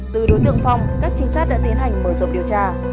từ đối tượng phong các trinh sát đã tiến hành mở rộng điều tra